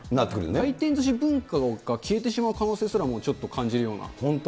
回転ずし文化が消えてしまう可能性すらちょっと感じるような。